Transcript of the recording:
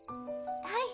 はい。